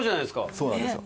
そうなんですよ。